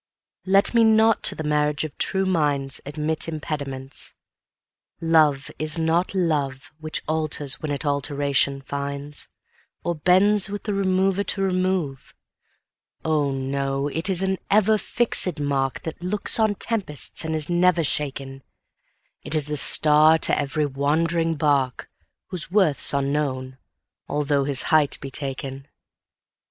CXVI Let me not to the marriage of true minds Admit impediments. Love is not love Which alters when it alteration finds, Or bends with the remover to remove: O, no! it is an ever fixed mark, That looks on tempests and is never shaken; It is the star to every wandering bark, Whose worth's unknown, although his height be taken.